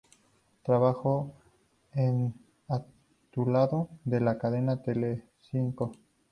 Trabajó en A tu lado, de la cadena Telecinco.